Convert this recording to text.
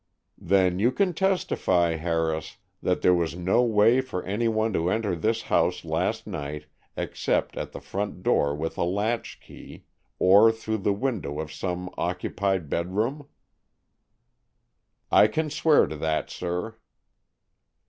"Then you can testify, Harris, that there was no way for any one to enter this house last night except at the front door with a latch key or through the window of some occupied bedroom?" "I can swear to that, sir."